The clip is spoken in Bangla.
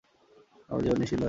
আমার জীবন নিশ্চিন্ত হয়ে যাবে।